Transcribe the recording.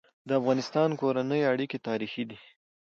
د افغانانو کورنی اړيکي تاریخي دي.